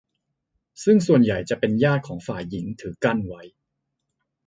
ซึ่งส่วนใหญ่จะเป็นญาติของฝ่ายหญิงถือกั้นไว้